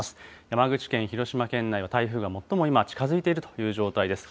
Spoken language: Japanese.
山口県、広島県内は台風が最も今、近づいているという状態です。